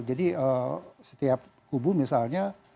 jadi setiap kubu misalnya